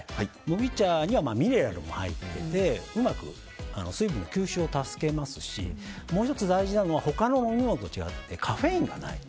麦茶にはミネラルも入っていてうまく水分の吸収を助けますしもう１つ大事なのは他の飲み物と違ってカフェインがない。